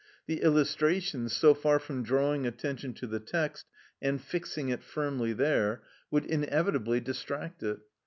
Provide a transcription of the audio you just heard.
The illustrations, so far from drawing attention to the text and fixing it firmly there, would inevitably distract it.